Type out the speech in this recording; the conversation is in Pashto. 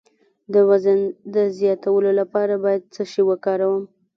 د وزن د زیاتولو لپاره باید څه شی وکاروم؟